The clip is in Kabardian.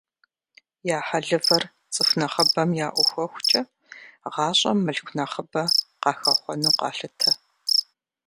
Я хьэлывэр цӀыху нэхъыбэм яӀухуэхукӀэ, гъэщӀэм мылъку нэхъыбэ къахэхъуэну къалъытэ.